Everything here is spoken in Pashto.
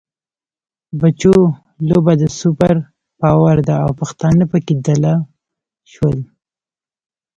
بچو! لوبه د سوپر پاور ده او پښتانه پکې دل شول.